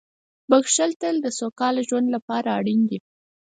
• بښل تل د سوکاله ژوند لپاره اړین دي.